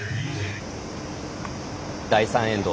第３エンド。